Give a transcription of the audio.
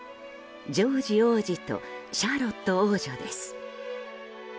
ジョージ王子とシャーロット王女です。